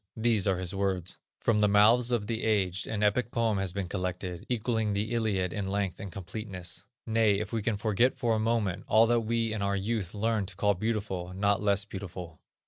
These are his words: "From the mouths of the aged an epic poem has been collected equalling the Iliad in length and completeness; nay, if we can forget for a moment, all that we in our youth learned to call beautiful, not less beautiful.